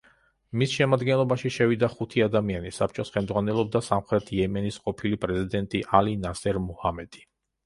მის შემადგენლობაში შევიდა ხუთი ადამიანი, საბჭოს ხელმძღვანელობდა სამხრეთ იემენის ყოფილი პრეზიდენტი ალი ნასერ მუჰამედი.